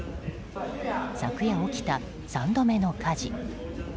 昨夜起きた３度目の火事。